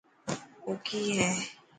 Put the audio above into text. او ڪي هي.